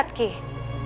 dia tidak bisa dipercaya